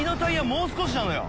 もう少しなのよ。